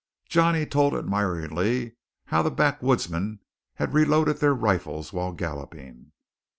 Johnny told admiringly how the backwoodsmen had reloaded their rifles while galloping.